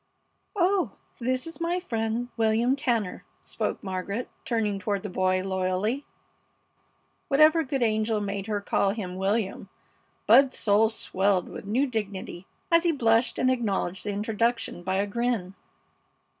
"Oh, and this is my friend, William Tanner," spoke Margaret, turning toward the boy loyally, (Whatever good angel made her call him William? Bud's soul swelled with new dignity as he blushed and acknowledged the introduction by a grin.)